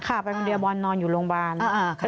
ไปคนเดียวบอลนอนอยู่โรงพยาบาล